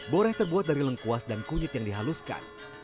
boreh terbuat dari lengkuas dan kunyit yang dihaluskan